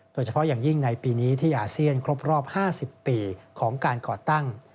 โดยเฉพาะอย่างยิ่งในปีนี้ที่อาเซียนครบรอบ๕๐ปีของการก่อตั้ง